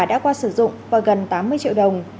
đã qua sử dụng vào gần tám mươi triệu đồng